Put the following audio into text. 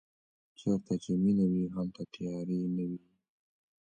چېرته چې مینه وي هلته تیارې نه وي.